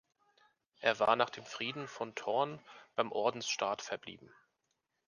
Es war nach dem Frieden von Thorn beim Ordensstaat verblieben.